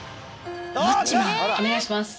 お願いします。